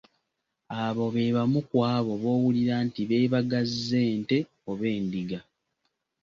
Abo beebamu ku abo boowulira nti beebagazze ente oba endiga!